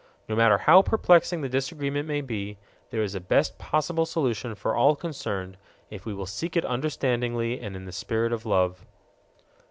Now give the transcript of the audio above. No matter how perplexing the disagreement may be, there is a best possible solution for all concerned if we will seek it understandingly and in the spirit of love.